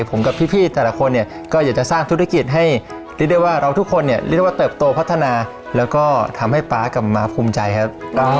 ผมกับพี่แต่ละคนเนี่ยก็จะสร้างธุรกิจให้เราก็ทำให้ป๊ากลับมาภูมิใจครับ